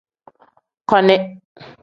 Koni.